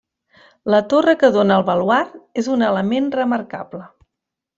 La torre que dóna al baluard, és un element remarcable.